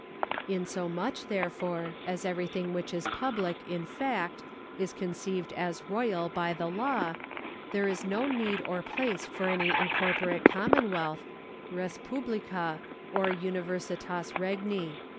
Insomuch, therefore, as everything which is public in fact is conceived as royal by the law, there is no need or place for any incorporate commonwealth, respublica, or universifas regni.